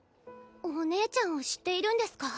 お姉ちゃんを知っているんですか？